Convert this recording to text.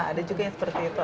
ada juga yang seperti itu